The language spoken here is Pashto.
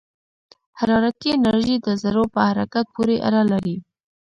حرارتي انرژي د ذرّو په حرکت پورې اړه لري.